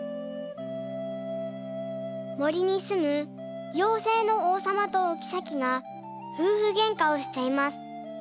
もりにすむようせいのおうさまとおきさきがふうふげんかをしています。